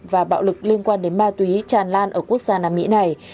và bạo lực liên quan đến ma túy tràn lan ở quốc gia nam mỹ này